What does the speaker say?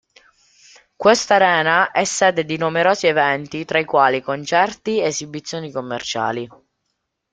Questa arena è sede di numerosi eventi, tra i quali concerti, esibizioni commerciali.